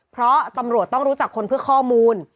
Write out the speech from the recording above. เพราะตำรวจต้องรู้จักคนเพื่อข้อมูล